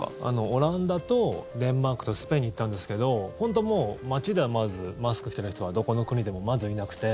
オランダとデンマークとスペインに行ったんですけど街ではまずマスクしている人はどこの国でもまずいなくて